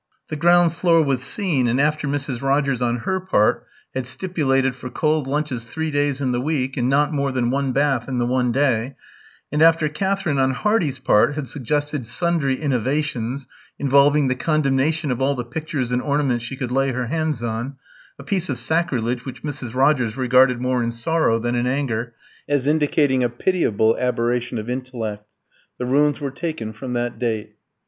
The ground floor was seen; and after Mrs. Rogers, on her part, had stipulated for cold lunches three days in the week, and not more than one bath in the one day; and after Katherine, on Hardy's part, had suggested sundry innovations, involving the condemnation of all the pictures and ornaments she could lay her hands on, a piece of sacrilege which Mrs. Rogers regarded more in sorrow than in anger, as indicating a pitiable aberration of intellect, the rooms were taken from that date.